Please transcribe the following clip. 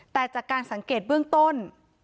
แต่จากการสังเกตเบื้องต้น